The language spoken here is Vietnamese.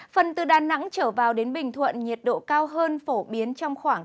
phần từ đà nẵng trở vào đến bình thuận nhiệt độ cao hơn phổ biến trong khoảng